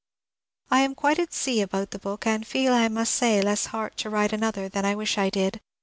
I am quite at sea about the book ; and feel, I must say, less heart to write another than I wish I did.